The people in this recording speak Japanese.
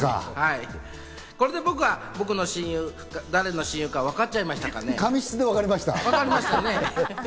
これで僕が誰の親友かわかっちゃいましたかね？